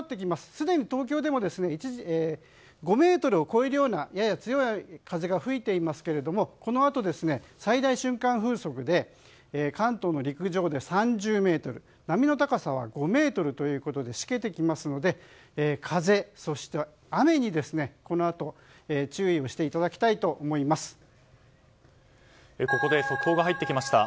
すでに東京でも５メートルを超えるようなやや強い風が吹いていますけれどもこのあと、最大瞬間風速で関東の陸上で３０メートル波の高さは５ｍということでしけてきますので風、そして雨にこのあと注意をここで速報が入ってきました。